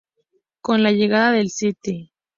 Con la llegada del "St.